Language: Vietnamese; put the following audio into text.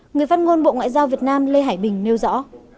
người phát ngôn bộ ngoại giao việt nam lê hải bình nêu rõ